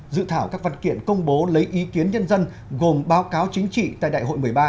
dự thảo các văn kiện công bố lấy ý kiến nhân dân gồm báo cáo chính trị tại đại hội một mươi ba